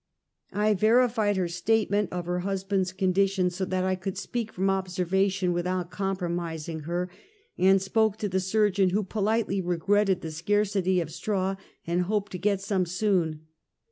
I verified her statement of her husband's condition, so that I could speak from observation without com pi'omising her, and spoke to the surgeon, who politely regretted the scarcity of straw, and hoped to get some soon.